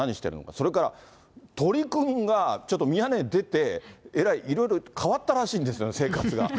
それから、鳥くんがちょっとミヤネ屋に出て、えらい、いろいろ変わったらしいんですよね、生活が。